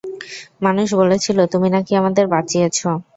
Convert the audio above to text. মানুষ বলেছিল, তুমি নাকি আমাদের বাঁচিয়েছ।